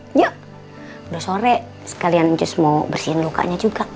iya udah sore sekalian cus mau bersihin lukanya juga